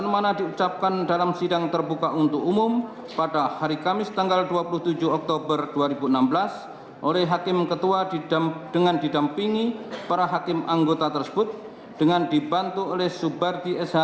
sembilan menetapkan barang bukti berupa nomor satu sampai dengan nomor dua